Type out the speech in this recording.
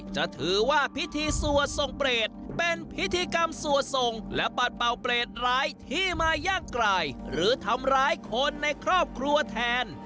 จะถือว่าพิธีสวดทรงเปรตเป็นพิธีกรรมสวดส่งและปัดเป่าเปรตร้ายที่มาย่างกรายหรือทำร้ายคนในครอบครัวแทน